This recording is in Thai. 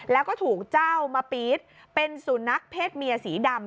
แล้วก็ถูกเจ้ามะปี๊ดเป็นสุนัขเพศเมียสีดำ